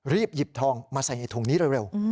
รีบหยิบทองมาใส่ในถุงนี้เร็ว